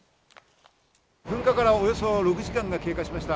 噴火から、およそ６時間が経過しました。